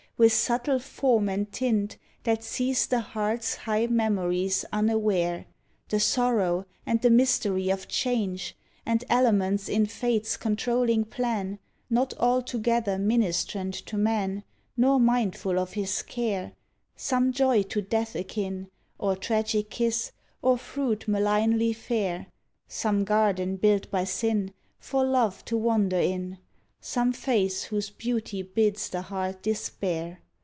With subtle form and tint That seize the heart's high memories unaware, The sorrow and the mystery of Change, And elements in Fate's controlling plan Not altogether ministrant to man Nor mindful of his care — Some joy to death akin. Or tragic kiss, or fruit malignly fair, Some garden built by Sin For Love to wander in. Some face whose beauty bids the heart despair!